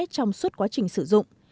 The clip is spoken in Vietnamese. trong suốt quá trình sử dụng